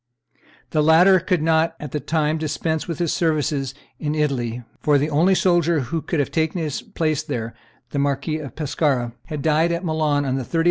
The latter could not at that time dispense with his services in Italy for the only soldier who could have taken his place there, the Marquis of Pescara, had died at Milan on the 30th of November, 1525, aged thirty six.